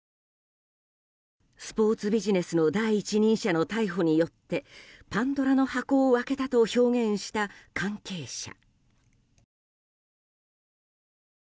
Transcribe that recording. スポーツビジネスの第一人者の逮捕によってパンドラの箱を開けたと表現した関係者。